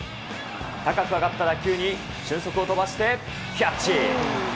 高く上がった打球に俊足を飛ばして、キャッチ。